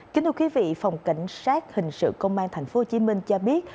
kính thưa quý vị phòng cảnh sát hình sự công an tp hcm cho biết